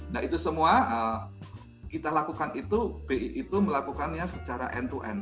nah itu semua kita lakukan itu bi itu melakukannya secara end to end